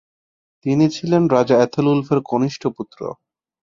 তিনি ছিলেন রাজা এথেলউলফের কনিষ্ঠ পুত্র।